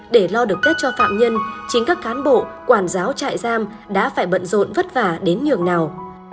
để lo được tết cho phạm nhân chính các cán bộ quản giáo trại giam đã phải bận rộn vất vả đến nhường nào